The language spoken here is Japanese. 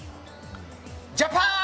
ジャパン！